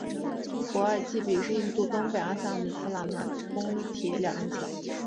博济比尔桥是印度东北部阿萨姆邦横跨布拉马普特拉河的公铁两用桥。